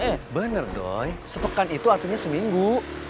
eh bener dong sepekan itu artinya seminggu